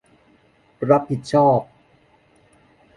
รับผิดชอบ